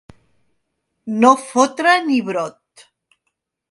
No fotre ni brot.